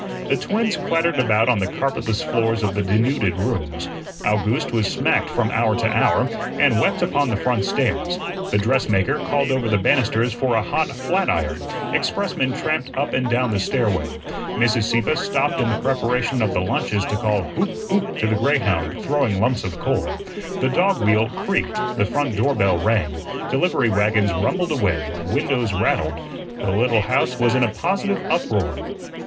The twins clattered about on the carpetless floors of the denuded rooms. Owgooste was smacked from hour to hour, and wept upon the front stairs; the dressmaker called over the banisters for a hot flatiron; expressmen tramped up and down the stairway. Mrs. Sieppe stopped in the preparation of the lunches to call "Hoop, Hoop" to the greyhound, throwing lumps of coal. The dog wheel creaked, the front door bell rang, delivery wagons rumbled away, windows rattled the little house was in a positive uproar.